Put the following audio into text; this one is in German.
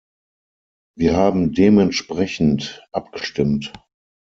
Wir haben dementsprechend abgestimmt.